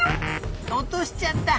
おとしちゃった。